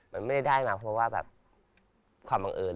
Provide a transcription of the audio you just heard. มันไม่ได้มาเพราะว่าแบบความบังเอิญ